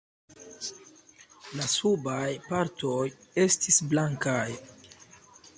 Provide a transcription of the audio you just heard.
La subaj partoj estis blankaj.